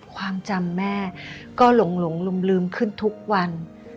ความจำแม่ก็หลงลืมขึ้นทุกวัน